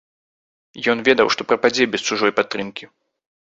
Ён ведаў, што прападзе без чужой падтрымкі.